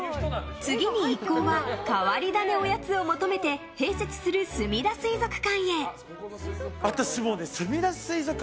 次に一行は変わり種おやつを求めて併設する、すみだ水族館へ。